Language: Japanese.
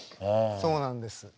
そうなんです。